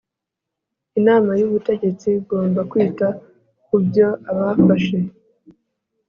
Inama y ubutegetsi igomba kwita ku byo abafashe